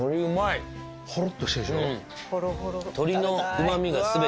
ほろっとしてるでしょ？